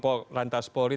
paul lantas polri